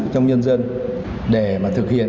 trong nhân dân để thực hiện